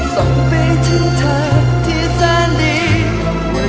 ส่งไปถึงเธอที่แฟนดี